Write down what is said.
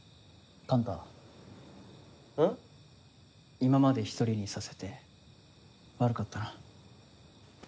今まで１人にさせて悪かったな。